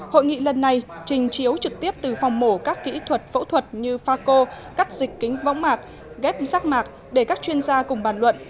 hội nghị lần này trình chiếu trực tiếp từ phòng mổ các kỹ thuật phẫu thuật như pha cô cắt dịch kính võng mạc ghép rác mạc để các chuyên gia cùng bàn luận